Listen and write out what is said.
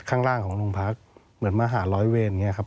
ข้างล่างของโรงพักเหมือนมาหาร้อยเวรอย่างนี้ครับ